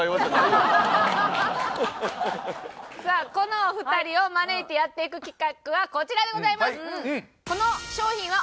さあこのお二人を招いてやっていく企画はこちらでございます。